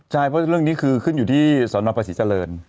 ใช่เพราะเรื่องนี้คือขึ้นอยู่ที่สนภาษีเจริญ